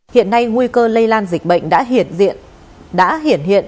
hiện nay nguy cơ lây lan dịch bệnh đã hiển hiện